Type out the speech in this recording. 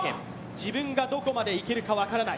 自分がどこまでいけるか分からない。